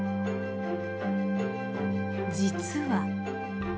実は。